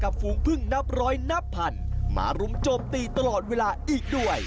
ฝูงพึ่งนับร้อยนับพันมารุมโจมตีตลอดเวลาอีกด้วย